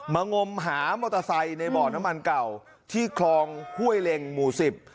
งมหามอเตอร์ไซค์ในบ่อน้ำมันเก่าที่คลองห้วยเล็งหมู่สิบ